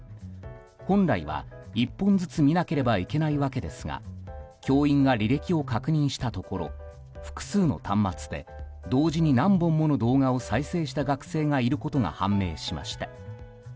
本来は１本ずつ見なければいけないわけですが教員が履歴を確認したところ複数の端末で同時に何本もの動画を再生した学生がいることが判明しました。